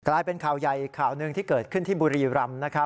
กลายเป็นข่าวใหญ่อีกข่าวหนึ่งที่เกิดขึ้นที่บุรีรำนะครับ